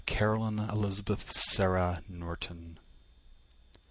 Caroline Elizabeth Sarah Norton.